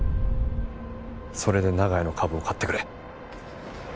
それで長屋の株を買ってくれ。